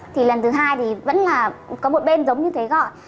thì lần thứ hai thì vẫn là có một bên giống như thế gọi